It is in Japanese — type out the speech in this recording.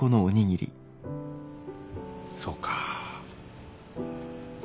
そうかあ。